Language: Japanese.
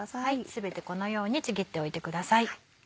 全てこのようにちぎっておいてください。